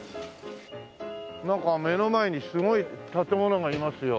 なんか目の前にすごい建物がいますよ。